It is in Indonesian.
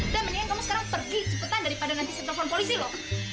dan mendingan kamu sekarang pergi cepetan daripada nanti saya telepon polisi lho